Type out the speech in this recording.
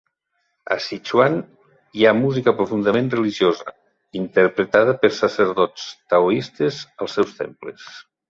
A Sichuan hi ha música profundament religiosa, interpretada per sacerdots taoistes als seus temples.